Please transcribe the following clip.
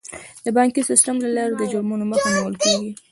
د بانکي سیستم له لارې د جرمونو مخه نیول کیږي.